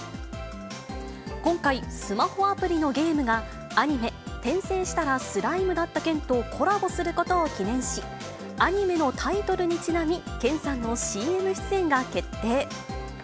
今回、スマホアプリのゲームが、アニメ、転生したらスライムだった件とコラボすることを記念し、アニメのタイトルにちなみ、研さんのＣＭ出演が決定。